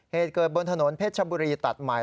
เหตุเกิดบนถนนเพชรชบุรีตัดใหม่